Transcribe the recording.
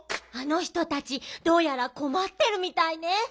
「あの人たちどうやらこまってるみたいね」。